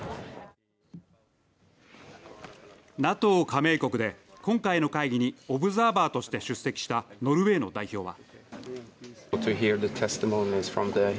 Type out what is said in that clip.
ＮＡＴＯ加盟国で今回の会議にオブザーバーとして出席したノルウェーの代表は。